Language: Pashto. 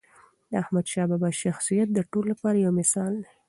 د احمدشاه بابا شخصیت د ټولو لپاره یو مثال دی.